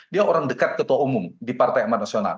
dia orang dekat ketua umum di partai amat nasional